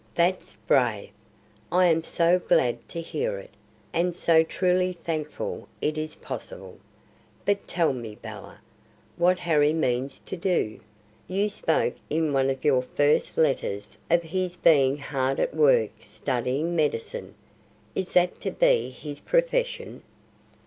"That's brave! I am so glad to hear it, and so truly thankful it is possible. But tell me, Bella, what Harry means to do? You spoke in one of your first letters of his being hard at work studying medicine. Is that to be his profession?"